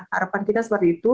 harapan kita seperti itu